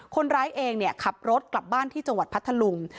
คนร้ายเองเนี่ยขับรถกลับบ้านที่จังหวัดพัทธลุง